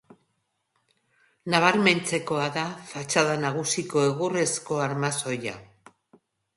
Nabarmentzekoa da fatxada nagusiko egurrezko armazoia.